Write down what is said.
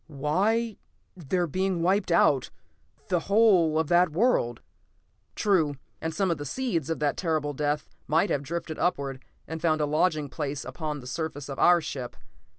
"Why they're being wiped out; the whole of that world " "True. And some of the seeds of that terrible death might have drifted upward, and found a lodging place upon the surface of our ship.